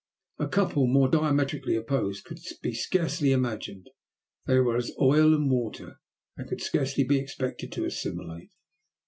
A couple more diametrically opposite could be scarcely imagined. They were as oil and water, and could scarcely be expected to assimilate.